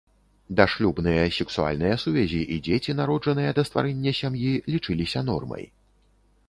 Дашлюбныя сексуальныя сувязі і дзеці, народжаныя да стварэння сям'і, лічыліся нормай.